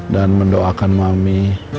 dan mendoakan mami